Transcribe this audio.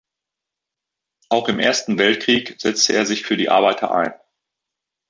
Auch im Ersten Weltkrieg setzte er sich für die Arbeiter ein.